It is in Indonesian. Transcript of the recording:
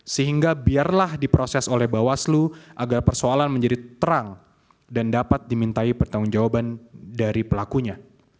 sehingga biarlah diproses oleh bawaslu agar persoalan menjadi terang dan dapat dimintai pertanggung jawaban dari pelakunya